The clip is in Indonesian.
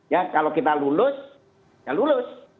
ya kalau kita lulus ya lulus